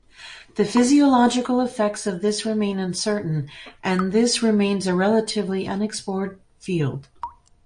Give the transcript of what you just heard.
The physiological effects of this remain uncertain, and this remains a relatively unexplored field.